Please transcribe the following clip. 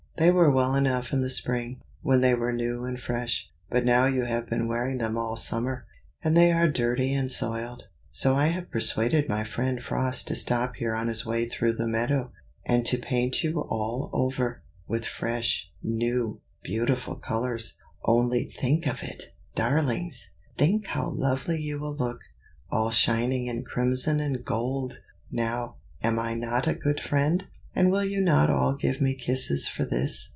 They were well enough in the spring, when they were new and fresh, but now you have been wearing them all summer, and they are dirty and soiled. So I have persuaded my friend Frost to stop here on his way through the meadow, and to paint you all over, with fresh, new, beautiful colors. Only think of it, darlings! think how lovely you will look, all shining in crimson and gold! Now, am I not a good friend? and will you not all give me kisses for this?"